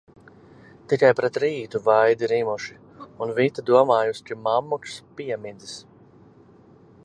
Tikai pret rītu vaidi rimuši, un Vita domājusi, ka mammuks piemidzis.